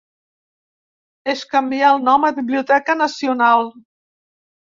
Es canvià el nom a Biblioteca Nacional.